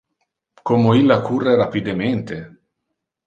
Como illa curre rapidemente!